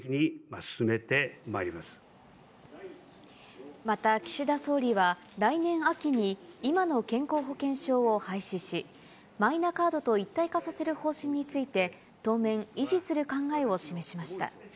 わが国にとって必要不可欠であるデジタル改革を、また岸田総理は、来年秋に今の健康保険証を廃止し、マイナカードと一体化させる方針について、当面維持する考えを示しました。